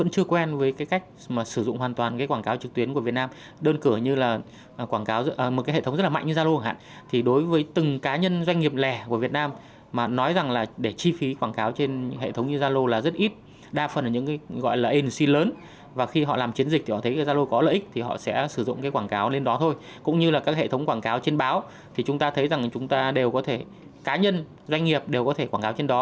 thì chúng ta thấy rằng chúng ta đều có thể cá nhân doanh nghiệp đều có thể quảng cáo trên đó